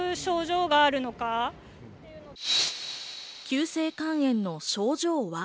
急性肝炎の症状は？